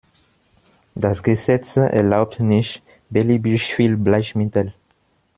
Das Gesetz erlaubt nicht beliebig viel Bleichmittel.